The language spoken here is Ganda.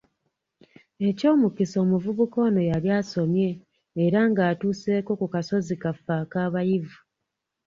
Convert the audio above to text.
Eky'omukisa omuvubuka ono yali asomye era nga atuuseeko ku" kasozi" kaffe akabayivu